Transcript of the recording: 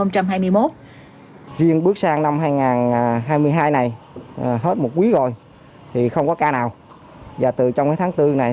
tuy nhiên bước sang năm hai nghìn hai mươi hai này hết một quý rồi thì không có ca nào và từ trong cái tháng bốn này